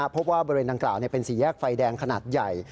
พบว่าบริเวณดังกล่าวเป็นสี่แยกไฟแดงขนาดใหญ่